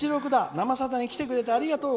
「生さだ」に来てくれてありがとう！